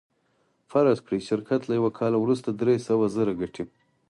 فرض کړئ شرکت له یوه کال وروسته درې سوه زره ګټي